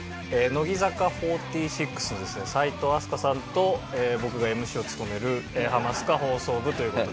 乃木坂４６のですね齋藤飛鳥さんと僕がＭＣを務める『ハマスカ放送部』という事で。